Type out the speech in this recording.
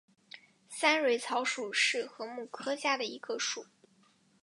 三蕊草属是禾本科下的一个属。